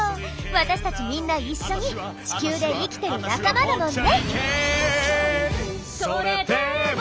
私たちみんな一緒に地球で生きてる仲間だもんね！